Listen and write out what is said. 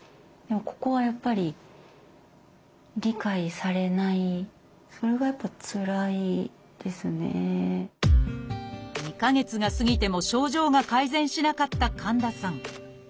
ここはやっぱり２か月が過ぎても症状が改善しなかった神田さん。